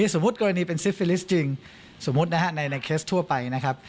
สมมุติกรณีเป็นซิฟิลิสจริงสมมุติในเคสทั่วไป